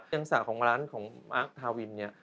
ยังสระของร้านของมาร์คทาวินเนี่ย